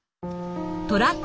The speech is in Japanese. トラック